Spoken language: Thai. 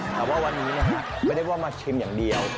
แต่ว่าวันนี้นะฮะไม่ได้ว่ามาชิมอย่างเดียว